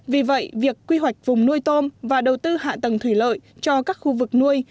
vì vậy việc quy hoạch vùng nuôi tôm và đầu tư hạ tầng thủy lợi cho các khu vực nuôi